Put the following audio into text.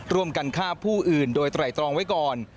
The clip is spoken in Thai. ร่วมกันฆ่าผู้อื่นโดยไตรตรองไว้ก่อน